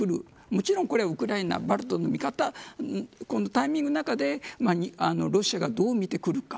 もちろん、これはウクライナバルトの見方タイミングの中でロシアがどう見てくるか。